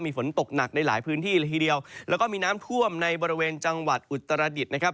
มีฝนตกหนักในหลายพื้นที่ละทีเดียวแล้วก็มีน้ำท่วมในบริเวณจังหวัดอุตรดิษฐ์นะครับ